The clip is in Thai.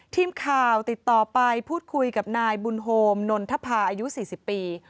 ทีมข่าวติดต่อไปพูดคุยกับนายบุญโฮมนนทภาอายุ๔๐ปี